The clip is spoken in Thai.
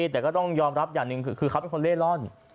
แต่ก็ต้องยอมรับอย่างหนึ่งคือเขาเป็นคนเล่ร่อน